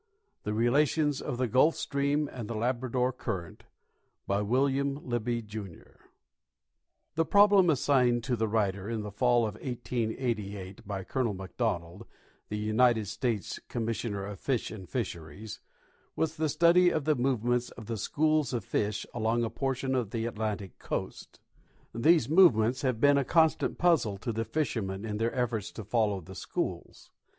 THE RELATIONS OF THE GULF STEEAM AND THE LABRADOR CURRENT BY WILLIAM LIBBEY, JUNIOR The problem assigned to the writer in the fall of 1888 by Colonel McDonald, the United States Commissioner of Fish and Fisheries, was the study of the movements of the schools offish along a portion of the Atlantic coast. These movements have been a constant puzzle to the fishermen in their efforts to follow the schools.